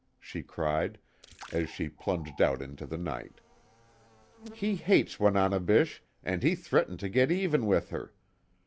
she cried, as she plunged out into the night. "He hates Wananebish, and he threatened to get even with her!